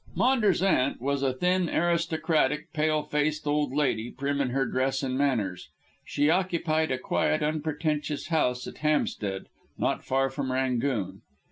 Maunders' aunt was a thin, aristocratic, pale faced old lady, prim in her dress and manners. She occupied a quiet, unpretentious house at Hampstead, not far from "Rangoon."